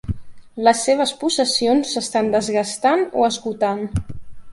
Les seves possessions s'estan desgastant o esgotant.